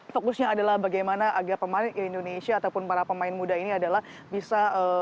fokusnya adalah bagaimana agar pemain indonesia ataupun para pemain muda ini adalah bisa